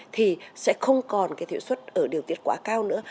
thì sẽ không còn cái thiểu xuất ở điều tiết quả cao nữa